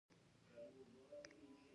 زه بېځایه فلمونه نه ګورم.